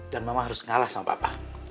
dan mama harus ngalah sama papa